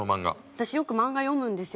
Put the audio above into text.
私よく漫画読むですよ。